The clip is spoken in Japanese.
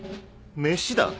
飯だ！？